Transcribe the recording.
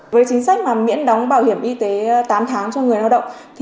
với chính sách miễn đóng bảo hiểm y tế tám tháng cho người lao động